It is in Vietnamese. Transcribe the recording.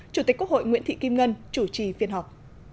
chủ tịch quốc hội nguyễn thị kim ngân chủ trì phiên họp